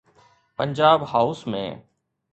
Punjab house ۾.